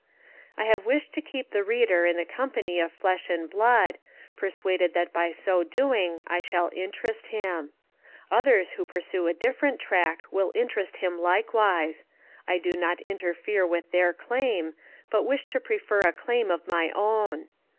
I have wished to keep the Reader in the company of flesh and blood, persuaded that by so doing I shall interest him. Others who pursue a different track will interest him likewise; I do not interfere with their claim, but wish to prefer a claim of my own.